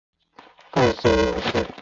惯性模式。